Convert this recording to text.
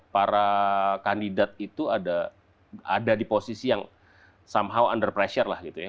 para kandidat itu ada di posisi yang somehow under pressure lah gitu ya